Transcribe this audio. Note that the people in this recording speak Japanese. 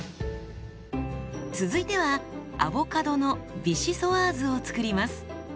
続いてはアボカドのビシソワーズを作ります。